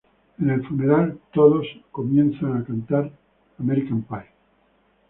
En el funeral todos comienzan a cantar "American Pie".